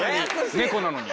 猫なのに。